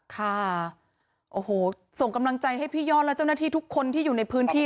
ค่ะโอ้โหส่งกำลังใจให้พี่ยอดและเจ้าหน้าที่ทุกคนที่อยู่ในพื้นที่